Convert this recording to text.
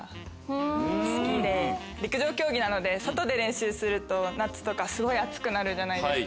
陸上競技なので外で練習すると夏とかすごい暑くなるじゃないですか。